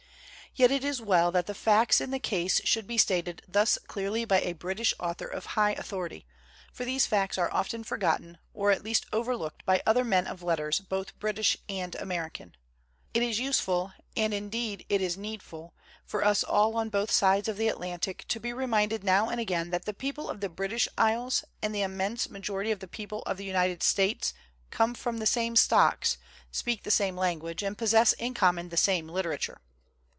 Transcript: Yet it is well that the facts in the case should be stated thus clearly by a British author of high authority, for these facts are often forgotten or at least overlooked by other men of letters both British and American. It is useful, and indeed it is needful, for us all on both sides of the Atlantic to be reminded now and again that the people of the British Isles and the im mense majority of the people of the United States come of the same stocks, speak the same language, and possess in common the same literature.